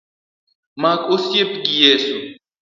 Mak osiep gi Yeso.